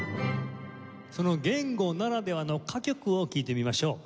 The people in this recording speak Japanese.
その言語ならではの歌曲を聴いてみましょう。